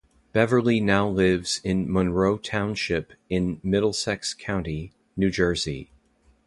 Beverly now lives in Monroe Township in Middlesex County, New Jersey.